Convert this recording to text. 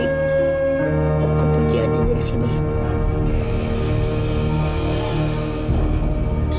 hidup mama mungkin tidak akan susah begini